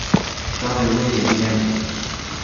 Çavên wê êdî nedîdît